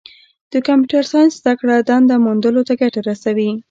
د کمپیوټر ساینس زدهکړه دنده موندلو ته ګټه رسوي.